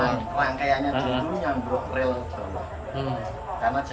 rangkaiannya dulu nyanggrok rel bawah